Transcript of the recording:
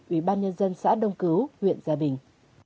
ủy ban nhân dân xã đông cứu huyện gia bình